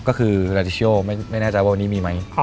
ก็คือสลาทิชโยไม่แน่ใจว่าวันนี้มีไหม